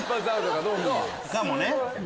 かもね。